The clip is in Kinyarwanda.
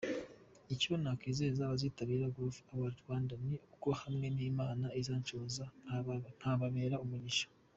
Icyo nakizeza abazitabira Groove Awards Rwanda ni uko hamwe n’Imana izanshoboza nkababera umugisha.